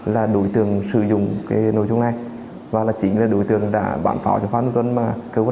là đối tượng sử dụng nội dung này và là chính là đối tượng đã bán pháo cho phát dân mà cơ quan